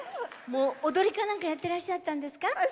踊りかなんかやってらっしゃったんですか？